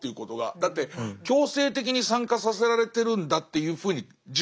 だって強制的に参加させられてるんだっていうふうに自覚はないですよね。